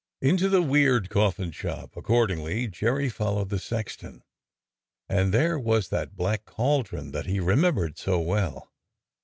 Into the weird coffin shop accordingly Jerry followed the sexton, and there was that black cauldron that he remembered so well.